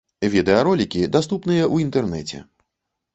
Відэаролікі даступныя ў інтэрнэце.